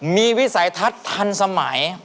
มีวิสัยทัศน์ทันสมัย